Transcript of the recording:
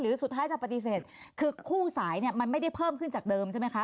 สุดท้ายจะปฏิเสธคือคู่สายเนี่ยมันไม่ได้เพิ่มขึ้นจากเดิมใช่ไหมคะ